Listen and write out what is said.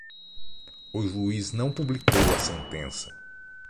O juiz não publicou a sentença